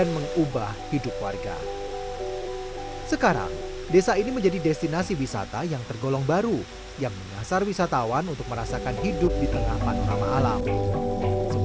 serat merupakan bumi yang menyebabkan nar ot ange manis juga markedas siap ketika merata nya sekitar menachep